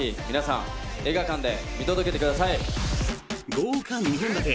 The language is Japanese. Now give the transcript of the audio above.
豪華２本立て！